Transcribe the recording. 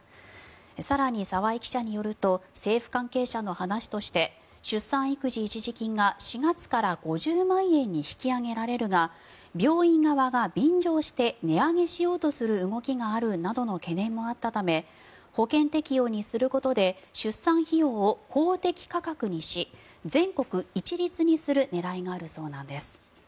更に、澤井記者によると政府関係者の話として出産育児一時金が、４月から５０万円に引き上げられるが病院側が便乗して値上げしようとする動きがあるなどの懸念もあったため保険適用にすることで出産費用を公的価格にし全国一律にする狙いがあるそうなんです。